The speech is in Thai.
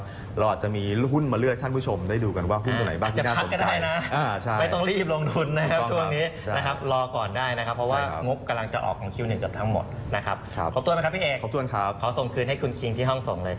เราอาจจะมีหุ้นมาเลือกของท่านผู้ชมได้ดูดูกันหุ้นตัวไหนบ้างที่น่าสนใจ